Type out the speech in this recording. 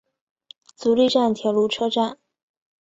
足利站铁路车站。